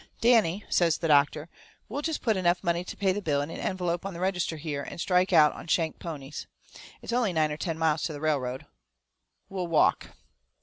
"Danny," says the doctor, "we'll just put enough money to pay the bill in an envelope on the register here, and strike out on shank's ponies. It's only nine or ten miles to the railroad we'll walk."